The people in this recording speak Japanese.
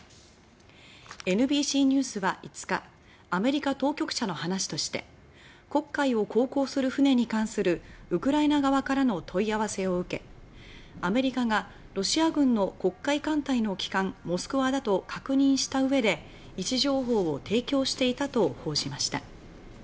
ＮＢＣニュースは５日アメリカ当局者の話として黒海を航行する船に関するウクライナ側からの問い合わせを受けアメリカがロシア軍の黒海艦隊の旗艦「モスクワ」だと確認したうえで位置情報を提供していたと報じました。